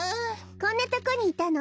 こんなとこにいたの？